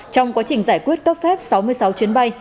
trong quá trình giải quyết cấp phép sáu mươi sáu chuyến bay